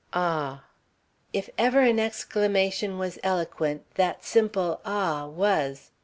Ah!' "If ever an exclamation was eloquent that simple 'ah!' was.